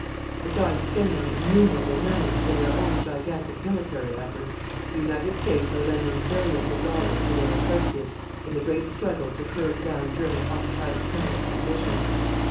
Besides spending innumerable millions for their own gigantic military effort, the United States are lending billions of dollars to their associates in the great struggle to curb down German autocratic criminal ambition.